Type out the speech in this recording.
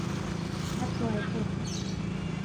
— Атлай тор.